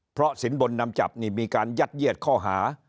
เพราะสินบนนำจับนี่มีการยัดเยียดข้อหา